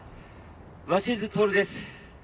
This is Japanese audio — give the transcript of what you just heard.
鷲津亨です。